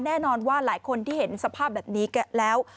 แน่นอนว่าหลายคนที่เห็นสภาพแบบนี้แล้ว